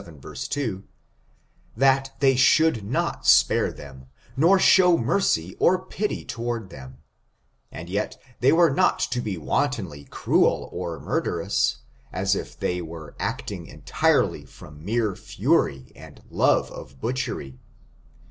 vii, 2), that they should not spare them, nor show mercy or pity toward them ; and yet they were not to be wantonly cruel or murderous, as if they were acting entirely from mere fury and love of butchery.